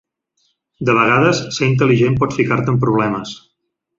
De vegades, ser intel·ligent pot ficar-te en problemes.